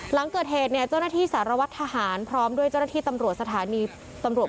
หลังเกิดเหตุเจ้านาฬิสาธารณวรทหารพร้อมด้วยเจ้าหน้าที่สถานี